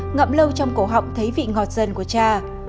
ngậm lâu trong cổ họng thấy vị ngọt dần của cha